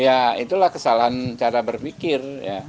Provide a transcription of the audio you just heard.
ya itulah kesalahan cara berpikir